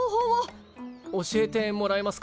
教えてもらえますか？